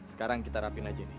sekarang kita rapin aja nih